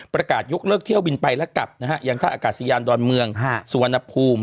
ประกาศยกเลิกเที่ยวบินไปและกลับนะฮะยังท่าอากาศยานดอนเมืองสุวรรณภูมิ